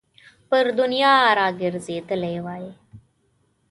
پر دنیا را ګرځېدلی وای.